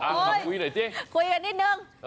คุยกันนิดนึง